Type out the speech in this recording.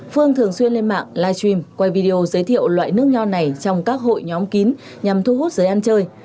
phương thường xuyên lên mạng live stream quay video giới thiệu loại nước nho này trong các hội nhóm kín nhằm thu hút giới ăn chơi